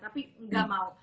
tapi gak mau